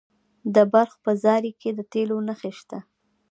د بلخ په زاري کې د تیلو نښې شته.